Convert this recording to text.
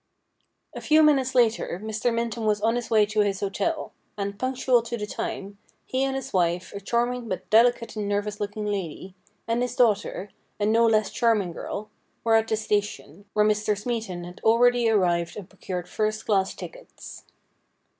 A few minutes later Mr. Minton was on his way to his hotel ; and, punctual to the time, he and his wife, a charming but delicate and nervous looking lady, and his daughter, a no less charming girl, were at the station, where Mr. Smeaton had already arrived and procured first class tickets.